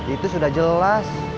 itu sudah jelas